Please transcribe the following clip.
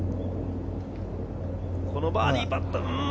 このバーディーパット。